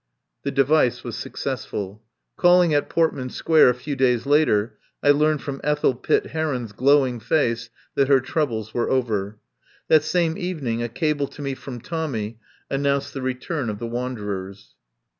The device was successful. Calling at Portman Square a few days later I learned from Ethel Pitt Heron's glowing face that her troubles were over. That same evening a cable to me from Tommy announced the re turn of the wanderers.